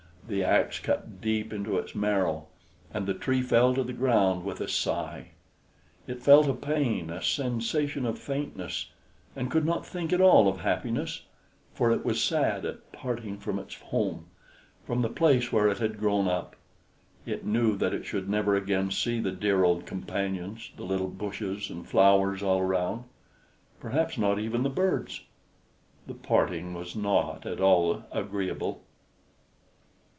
The axe cut deep into its marrow, and the tree fell to the ground with a sigh; it felt a pain, a sensation of faintness, and could not think at all of happiness, for it was sad at parting from its home, from the place where it had grown up; it knew that it should never again see the dear old companions, the little bushes and flowers all around perhaps not even the birds. The parting was not at all agreeable.